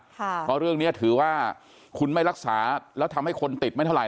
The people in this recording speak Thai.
เพราะเรื่องนี้ถือว่าคุณไม่รักษาแล้วทำให้คนติดไม่เท่าไ